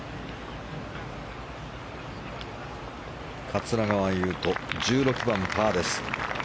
桂川有人１６番、パーです。